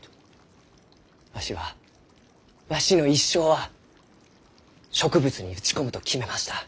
わしはわしの一生は植物に打ち込むと決めました。